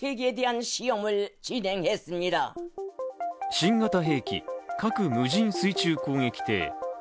新型兵器・核無人水中攻撃艇。